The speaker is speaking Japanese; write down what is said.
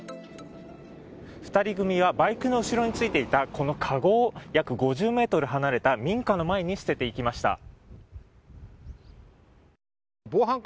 ２人組はバイクの後ろについていた、このかごを約５０ｍ離れた民家の前に捨てていきました。